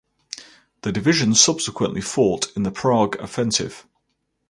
The division subsequently fought in the Prague Offensive.